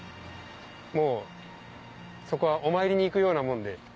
もうそこはお参りに行くようなもんで。